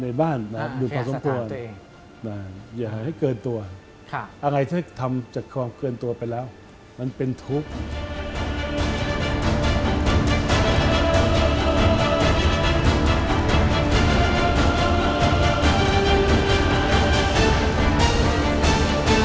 อย่าให้เกินตัวอะไรถ้าทำจากความเกินตัวไปแล้วมันเป็นทุกข์